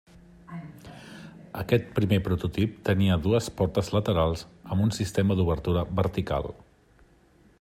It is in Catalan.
Aquest primer prototip tenia dues portes laterals amb un sistema d'obertura vertical.